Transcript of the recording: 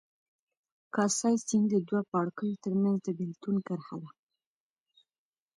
کاسای سیند د دوو پاړکیو ترمنځ د بېلتون کرښه ده.